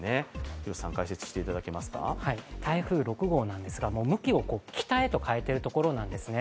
広瀬さん、解説していただけますか台風６号なんですが向きを北へと変えてるところなんですね。